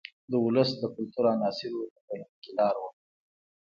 د ولس د کلتور عناصرو په ټولنه کې لار وکړه.